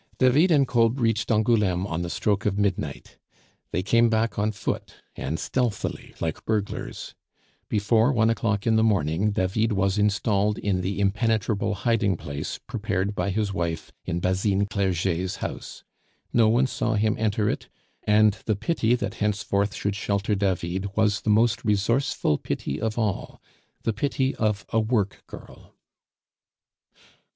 David and Kolb reached Angouleme on the stroke of midnight. They came back on foot, and steathily, like burglars. Before one o'clock in the morning David was installed in the impenetrable hiding place prepared by his wife in Basine Clerget's house. No one saw him enter it, and the pity that henceforth should shelter David was the most resourceful pity of all the pity of a work girl.